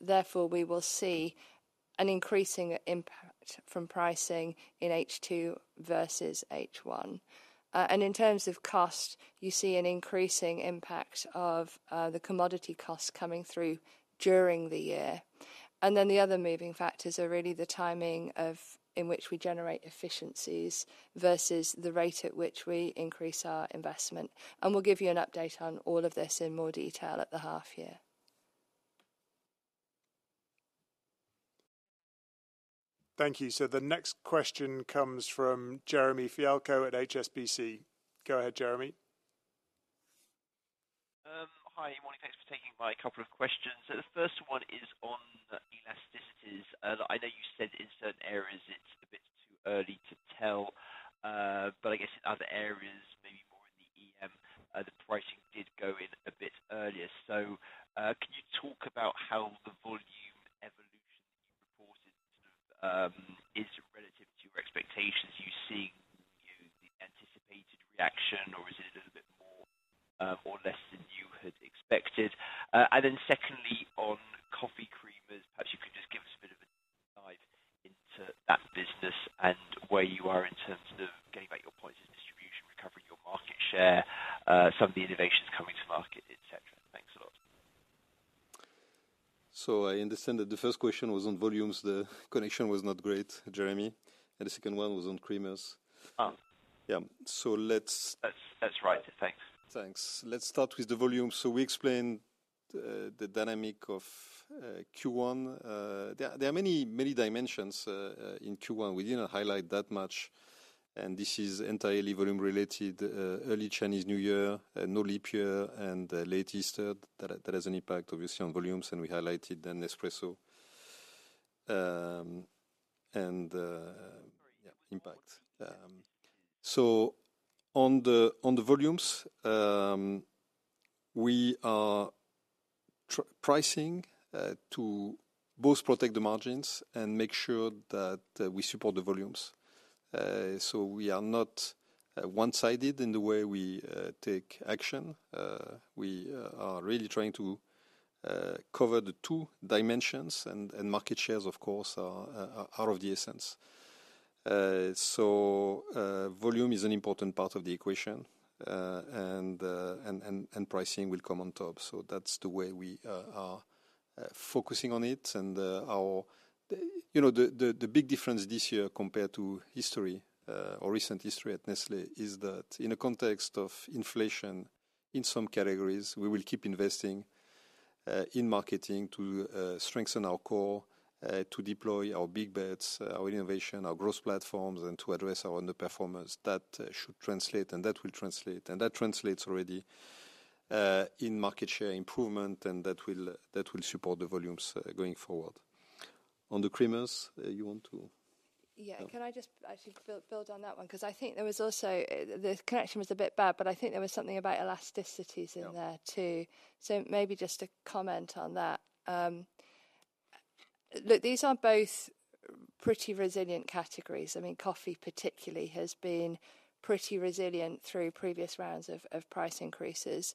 S3: Therefore, we will see an increasing impact from pricing in H2 versus H1. In terms of cost, you see an increasing impact of the commodity costs coming through during the year. The other moving factors are really the timing in which we generate efficiencies versus the rate at which we increase our investment. We'll give you an update on all of this in more detail at the half year.
S1: Thank you. The next question comes from Jeremy Fialko at HSBC. Go ahead, Jeremy.
S10: Hi, good morning. Thanks for taking my couple of questions. The first one is on elasticities. I know you said in certain areas it's a bit too early to tell, but I guess in other areas, maybe more in the EM, the pricing did go in a bit earlier. Can you talk about how the volume evolution that you reported is relative to your expectations? Are you seeing the anticipated reaction, or is it a little bit more or less than you had expected? Secondly, on coffee creamers, perhaps you could just give us a bit of a deep dive into that business and where you are in terms of getting back your points of distribution, recovering your market share, some of the innovations coming to market, etc. Thanks a lot.
S2: I understand that the first question was on volumes. The connection was not great, Jeremy. The second one was on creamers. Yeah. Let's.
S10: That's right. Thanks.
S2: Thanks. Let's start with the volume. We explained the dynamic of Q1. There are many dimensions in Q1. We did not highlight that much. This is entirely volume-related. Early Chinese New Year, no leap year, and late Easter, that has an impact, obviously, on volumes. We highlighted then Nespresso. Yeah, impact. On the volumes, we are pricing to both protect the margins and make sure that we support the volumes. We are not one-sided in the way we take action. We are really trying to cover the two dimensions. Market shares, of course, are of the essence. Volume is an important part of the equation, and pricing will come on top. That is the way we are focusing on it. The big difference this year compared to history or recent history at Nestlé is that in the context of inflation in some categories, we will keep investing in marketing to strengthen our core, to deploy our big bets, our innovation, our growth platforms, and to address our underperformance. That should translate, and that will translate. That translates already in market share improvement, and that will support the volumes going forward. On the creamers, you want to?
S3: Yeah, can I just actually build on that one? Because I think there was also the connection was a bit bad, but I think there was something about elasticities in there too. Maybe just a comment on that. Look, these are both pretty resilient categories. I mean, coffee particularly has been pretty resilient through previous rounds of price increases.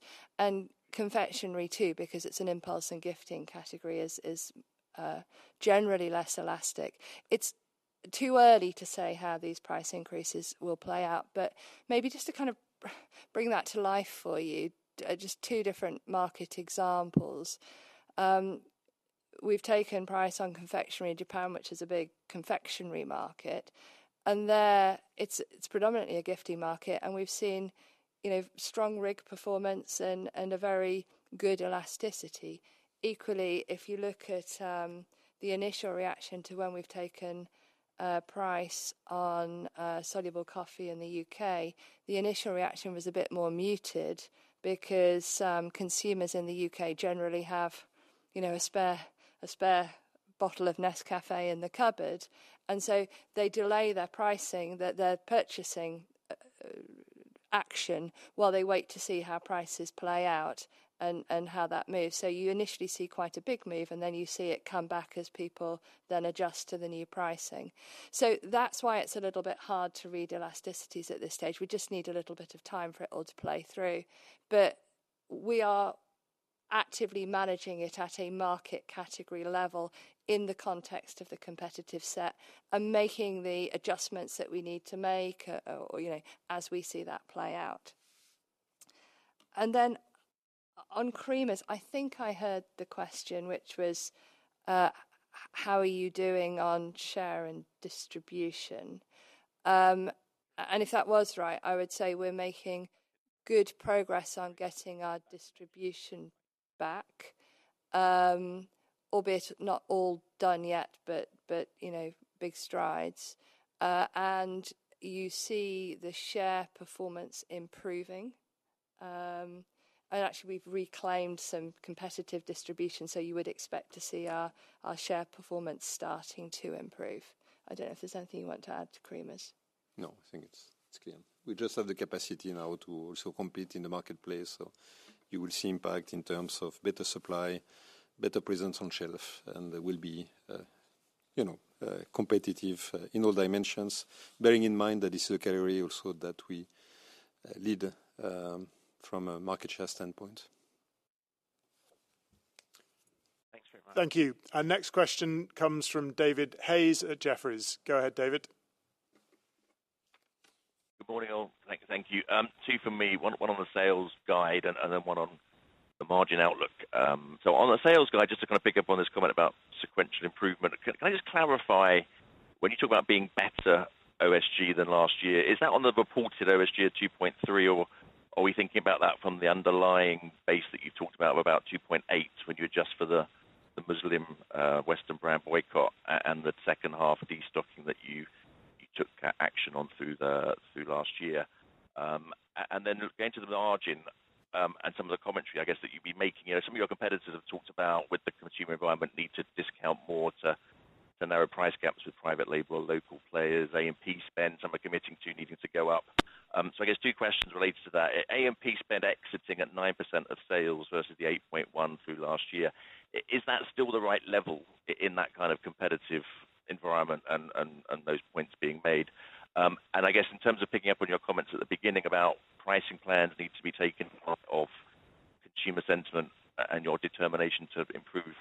S3: Confectionery too, because it is an impulse and gifting category, is generally less elastic. It is too early to say how these price increases will play out. Maybe just to kind of bring that to life for you, just two different market examples. We have taken price on confectionery in Japan, which is a big confectionery market. There, it is predominantly a gifting market. We have seen strong RIG performance and a very good elasticity. Equally, if you look at the initial reaction to when we've taken price on soluble coffee in the U.K., the initial reaction was a bit more muted because consumers in the U.K. generally have a spare bottle of Nescafé in the cupboard. They delay their purchasing action, while they wait to see how prices play out and how that moves. You initially see quite a big move, and then you see it come back as people then adjust to the new pricing. That is why it is a little bit hard to read elasticities at this stage. We just need a little bit of time for it all to play through. We are actively managing it at a market category level in the context of the competitive set and making the adjustments that we need to make as we see that play out. On creamers, I think I heard the question, which was, how are you doing on share and distribution? If that was right, I would say we're making good progress on getting our distribution back, albeit not all done yet, but big strides. You see the share performance improving. Actually, we've reclaimed some competitive distribution, so you would expect to see our share performance starting to improve. I don't know if there's anything you want to add to creamers.
S10: No, I think it's clear.
S2: We just have the capacity now to also compete in the marketplace. You will see impact in terms of better supply, better presence on shelf, and there will be competitive in all dimensions, bearing in mind that this is a category also that we lead from a market share standpoint.
S10: Thanks very much.
S1: Thank you. Our next question comes from David Hayes at Jefferies. Go ahead, David.
S11: Good morning, all. Thank you. Two for me, one on the sales guide and then one on the margin outlook. On the sales guide, just to kind of pick up on this comment about sequential improvement, can I just clarify? When you talk about being better OSG than last year, is that on the reported OSG of 2.3%, or are we thinking about that from the underlying base that you've talked about of about 2.8% when you adjust for the Muslim Western brand boycott and the second half destocking that you took action on through last year? Going to the margin and some of the commentary, I guess, that you'd be making, some of your competitors have talked about with the consumer environment need to discount more to narrow price gaps with private label or local players. A&P spend, some are committing to needing to go up. I guess two questions related to that. A&P spend exiting at 9% of sales versus the 8.1% through last year. Is that still the right level in that kind of competitive environment and those points being made? I guess in terms of picking up on your comments at the beginning about pricing plans need to be taken part of consumer sentiment and your determination to improve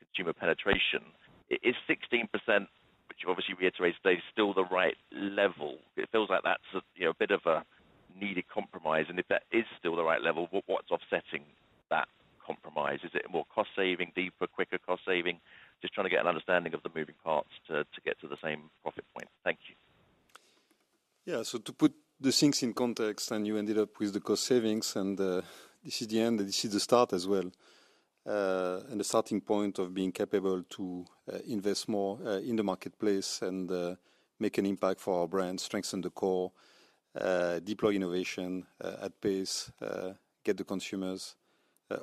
S11: consumer penetration, is 16%, which obviously we iterate today, still the right level? It feels like that's a bit of a needed compromise. If that is still the right level, what's offsetting that compromise? Is it more cost saving, deeper, quicker cost saving? Just trying to get an understanding of the moving parts to get to the same profit point. Thank you.
S2: Yeah, to put the things in context, you ended up with the cost savings, and this is the end, and this is the start as well, and the starting point of being capable to invest more in the marketplace and make an impact for our brand, strengthen the core, deploy innovation at pace, get the consumers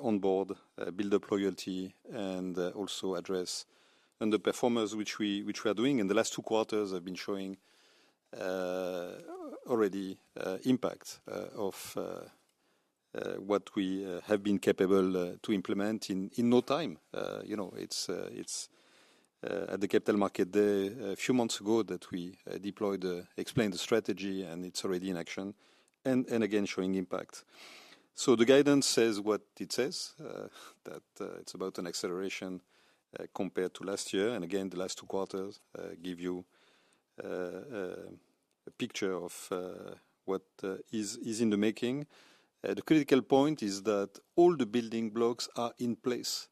S2: on board, build up loyalty, and also address underperformance, which we are doing. The last two quarters have been showing already impact of what we have been capable to implement in no time. It is at the Capital Market Day a few months ago that we deployed, explained the strategy, and it is already in action. Again, showing impact. The guidance says what it says, that it is about an acceleration compared to last year. The last two quarters give you a picture of what is in the making. The critical point is that all the building blocks are in place.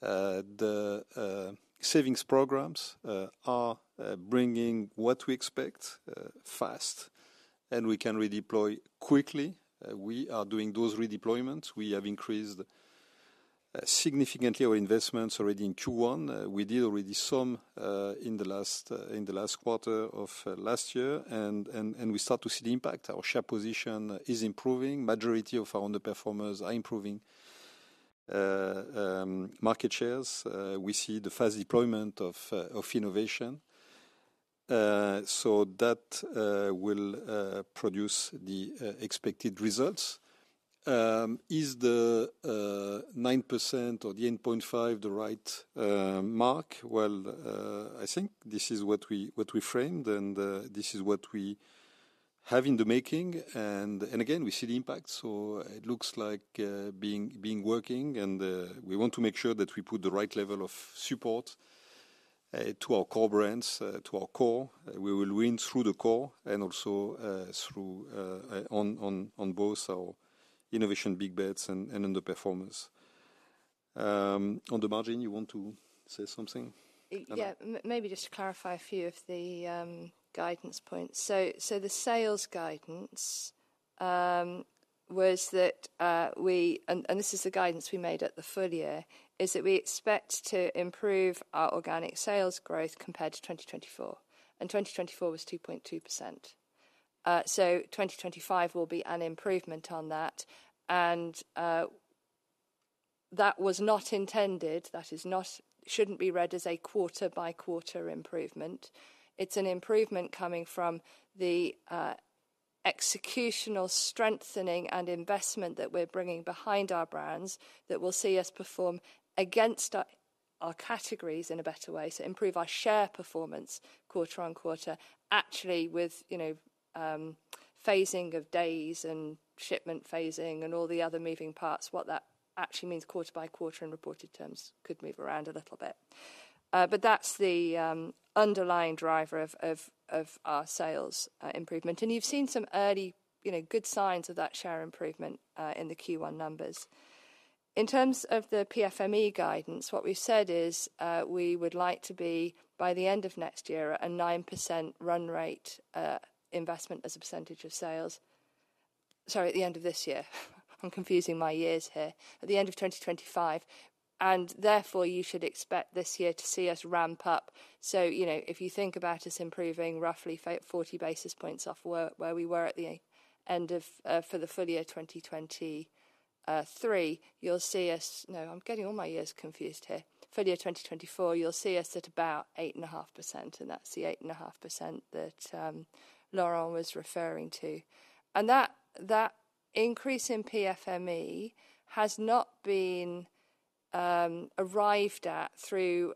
S2: The savings programs are bringing what we expect fast, and we can redeploy quickly. We are doing those redeployments. We have increased significantly our investments already in Q1. We did already some in the last quarter of last year, and we start to see the impact. Our share position is improving. The majority of our underperformers are improving market shares. We see the fast deployment of innovation. That will produce the expected results. Is the 9% or the 8.5% the right mark? I think this is what we framed, and this is what we have in the making. Again, we see the impact. It looks like being working, and we want to make sure that we put the right level of support to our core brands, to our core. We will win through the core and also on both our innovation big bets and underperformance. On the margin, you want to say something?
S3: Yeah, maybe just to clarify a few of the guidance points. The sales guidance was that we, and this is the guidance we made at the full year, expect to improve our organic sales growth compared to 2024. 2024 was 2.2%. 2025 will be an improvement on that. That was not intended. That should not be read as a quarter-by-quarter improvement. It is an improvement coming from the executional strengthening and investment that we are bringing behind our brands that will see us perform against our categories in a better way. Improve our share performance quarter on quarter, actually with phasing of days and shipment phasing and all the other moving parts, what that actually means quarter by quarter in reported terms could move around a little bit. That is the underlying driver of our sales improvement. You have seen some early good signs of that share improvement in the Q1 numbers. In terms of the PFME guidance, what we have said is we would like to be by the end of next year at a 9% run rate investment as a percentage of sales. Sorry, at the end of this year. I am confusing my years here. At the end of 2025. Therefore, you should expect this year to see us ramp up. If you think about us improving roughly 40 basis points off where we were at the end of for the full year 2023, you will see us, no, I am getting all my years confused here. Full year 2024, you will see us at about 8.5%. That is the 8.5% that Laurent was referring to. That increase in PFME has not been arrived at through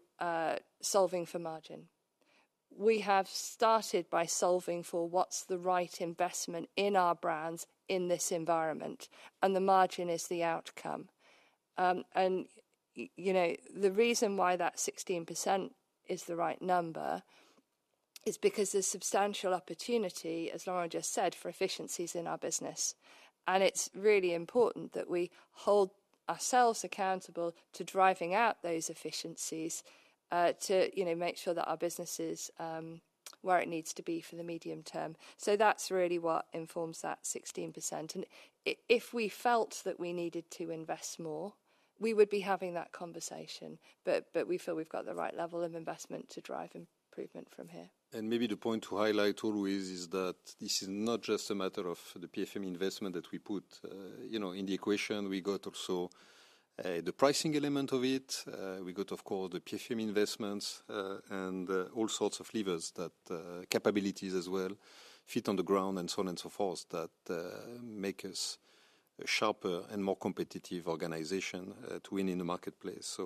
S3: solving for margin. We have started by solving for what's the right investment in our brands in this environment. The margin is the outcome. The reason why that 16% is the right number is because there's substantial opportunity, as Laurent just said, for efficiencies in our business. It's really important that we hold ourselves accountable to driving out those efficiencies to make sure that our business is where it needs to be for the medium term. That's really what informs that 16%. If we felt that we needed to invest more, we would be having that conversation. We feel we've got the right level of investment to drive improvement from here.
S2: The point to highlight always is that this is not just a matter of the PFME investment that we put in the equation. We got also the pricing element of it. We got, of course, the PFME investments and all sorts of levers that capabilities as well fit on the ground and so on and so forth that make us a sharper and more competitive organization to win in the marketplace.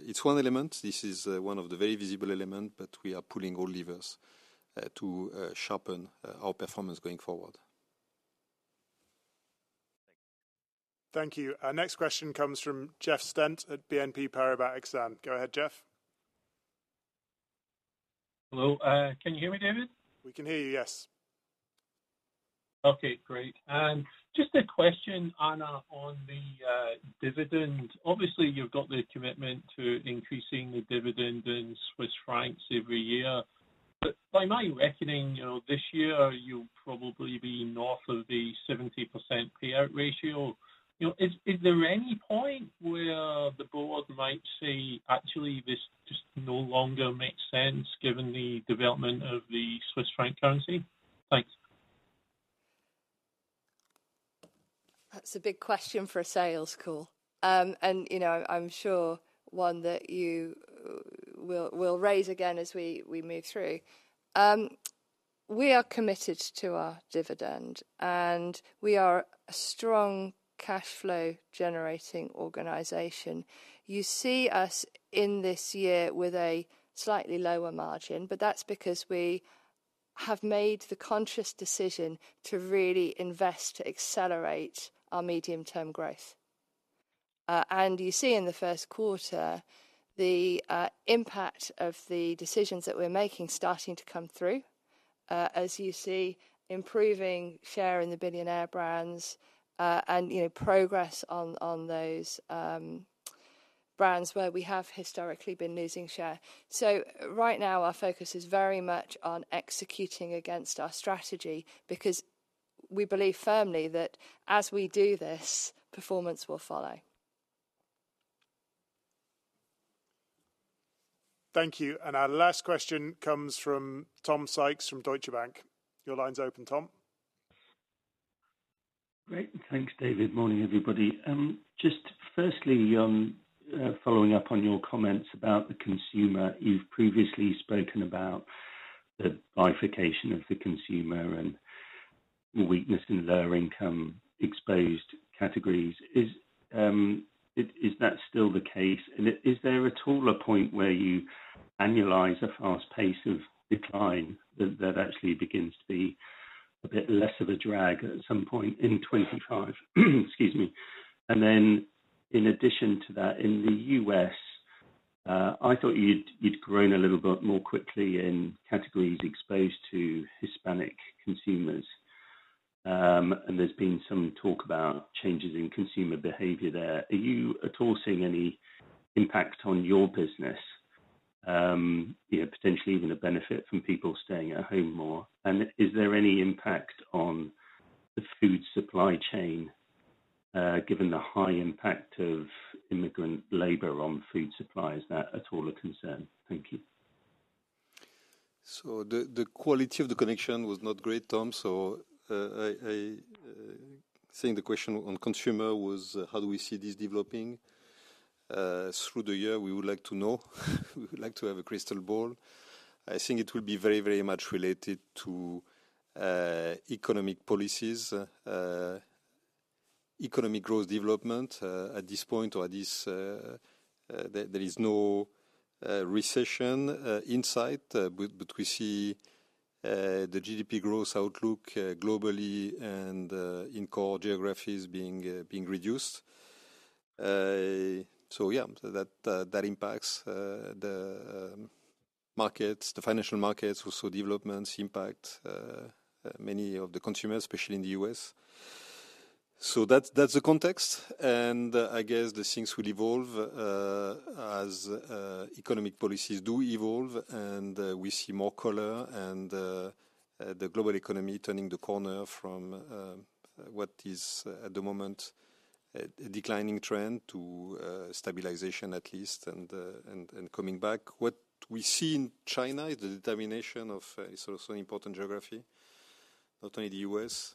S2: It is one element. This is one of the very visible elements, but we are pulling all levers to sharpen our performance going forward.
S1: Thank you. Our next question comes from Jeff Stent at BNP Paribas Exane. Go ahead, Jeff.
S12: Hello. Can you hear me, David?
S1: We can hear you, yes.
S12: Okay, great. Just a question, Anna, on the dividend. Obviously, you've got the commitment to increasing the dividend in Swiss francs every year. By my reckoning, this year, you'll probably be north of the 70% payout ratio. Is there any point where the board might say, actually, this just no longer makes sense given the development of the Swiss franc currency? Thanks.
S3: That's a big question for a sales call. I'm sure one that you will raise again as we move through. We are committed to our dividend, and we are a strong cash flow generating organization. You see us in this year with a slightly lower margin, but that's because we have made the conscious decision to really invest to accelerate our medium term growth. You see in the first quarter, the impact of the decisions that we're making starting to come through, as you see improving share in the billionaire brands and progress on those brands where we have historically been losing share. Right now, our focus is very much on executing against our strategy because we believe firmly that as we do this, performance will follow.
S1: Thank you. Our last question comes from Tom Sykes from Deutsche Bank. Your line's open, Tom.
S13: Great. Thanks, David. Morning, everybody. Just firstly, following up on your comments about the consumer, you've previously spoken about the bifurcation of the consumer and weakness in lower income exposed categories. Is that still the case? Is there a point where you annualize a fast pace of decline that actually begins to be a bit less of a drag at some point in 2025? Excuse me. In addition to that, in the US, I thought you'd grown a little bit more quickly in categories exposed to Hispanic consumers. There's been some talk about changes in consumer behavior there. Are you at all seeing any impact on your business, potentially even a benefit from people staying at home more? Is there any impact on the food supply chain given the high impact of immigrant labor on food supplies? Is that at all a concern? Thank you.
S2: The quality of the connection was not great, Tom. I think the question on consumer was, how do we see this developing through the year? We would like to know. We would like to have a crystal ball. I think it will be very, very much related to economic policies, economic growth development at this point or at this. There is no recession in sight, but we see the GDP growth outlook globally and in core geographies being reduced. That impacts the markets, the financial markets, also developments impact many of the consumers, especially in the U.S. That is the context. I guess things will evolve as economic policies do evolve. We see more color and the global economy turning the corner from what is at the moment a declining trend to stabilization at least and coming back. What we see in China is the determination of an important geography, not only the U.S.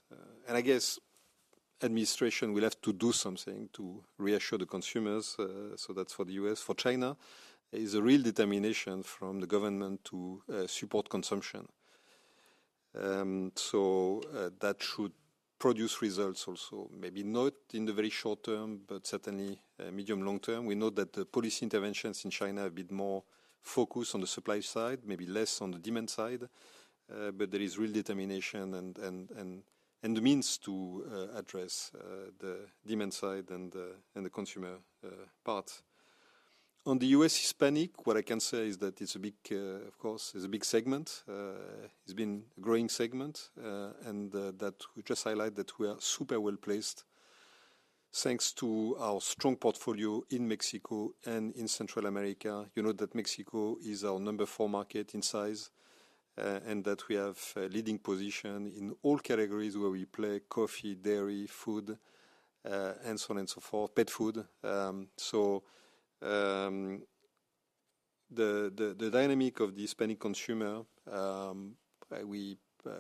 S2: I guess administration will have to do something to reassure the consumers. That is for the U.S. For China, it is a real determination from the government to support consumption. That should produce results also, maybe not in the very short term, but certainly medium long term. We know that the policy interventions in China have been more focused on the supply side, maybe less on the demand side. There is real determination and the means to address the demand side and the consumer part. On the U.S. Hispanic, what I can say is that it is a big, of course, it is a big segment. It has been a growing segment. I would just highlight that we are super well placed thanks to our strong portfolio in Mexico and in Central America. You know that Mexico is our number four market in size and that we have a leading position in all categories where we play, coffee, dairy, food, and so on and so forth, pet food. The dynamic of the Hispanic consumer, we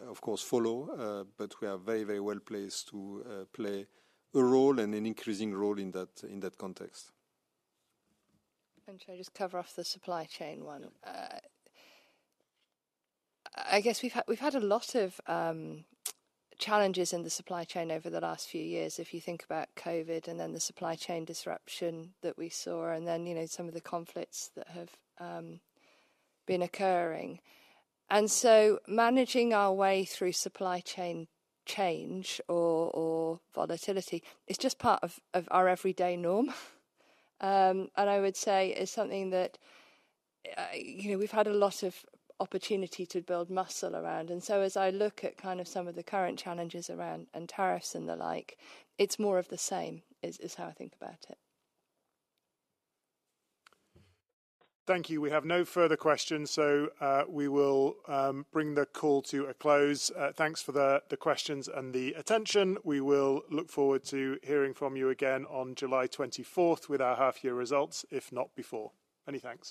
S2: of course follow, but we are very, very well placed to play a role and an increasing role in that context.
S3: I'm going to just cover off the supply chain one. I guess we've had a lot of challenges in the supply chain over the last few years. If you think about COVID and then the supply chain disruption that we saw and then some of the conflicts that have been occurring. Managing our way through supply chain change or volatility is just part of our everyday norm. I would say it's something that we've had a lot of opportunity to build muscle around. As I look at kind of some of the current challenges around tariffs and the like, it's more of the same is how I think about it.
S1: Thank you. We have no further questions. We will bring the call to a close. Thanks for the questions and the attention. We will look forward to hearing from you again on July 24th with our half-year results, if not before. Many thanks.